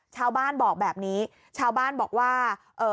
ชาวบ้านบอกแบบนี้ชาวบ้านบอกว่าเอ่อ